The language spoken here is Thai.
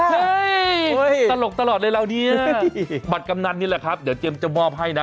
ใช่ตลกตลอดเลยเรานี่บัตรกำนันนี่แหละครับเดี๋ยวเจมส์จะมอบให้นะ